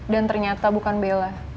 dan ternyata bukan bella